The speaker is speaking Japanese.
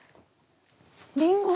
りんご？